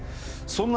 そんな。